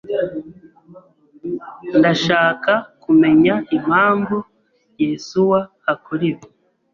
Ndashaka kumenya impamvu Yesuwa akora ibi.